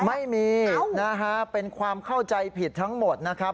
ไม่มีนะฮะเป็นความเข้าใจผิดทั้งหมดนะครับ